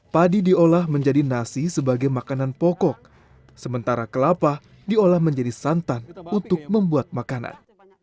padi diolah menjadi nasi sebagai makanan pokok sementara kelapa diolah menjadi santan untuk membuat makanan